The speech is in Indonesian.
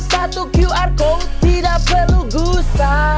satu qr code tidak perlu gusa